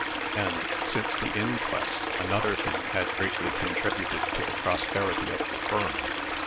And, since the inquest, another thing had greatly contributed to the prosperity of the firm.